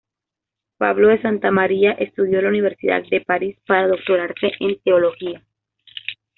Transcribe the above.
Pablo de Santa María estudió en la Universidad de París para doctorarse en Teología.